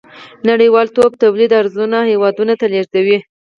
نړۍوالتوب تولید ارزانو هېوادونو ته لېږدوي.